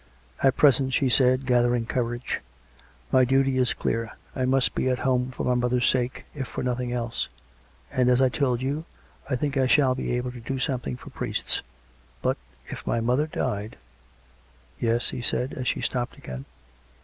" At present," she said, gathering courage, " my duty is clear. I must be at home, for my mother's sake, if for nothing else. And, as I told you, I think I shall be able to do something for priests. But if my mother died "" Yes ?" he said, as she stopped again.